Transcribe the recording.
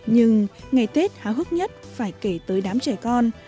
nhưng ngày tết háo hức nhất phải kể tới đám trẻ con